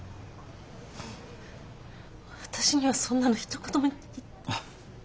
私にはそんなのひと言も。